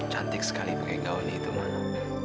cantik sekali bagi kau nita mano